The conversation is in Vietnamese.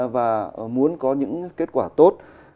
và muốn có những kết quả tốt